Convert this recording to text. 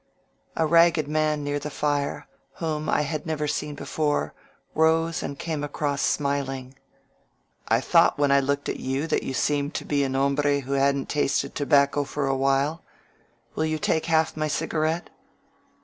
A ragged man near the fire, whom I had never seen before, rose and came across smiling. ^^I thought when I looked at you that you seemed to be an hombre who hadn't tasted tobacco for a while. Will you take half my cigarette?"